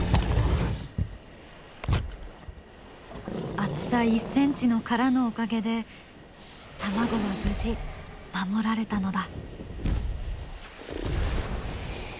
厚さ１ｃｍの殻のおかげで卵は無事守られたのだ。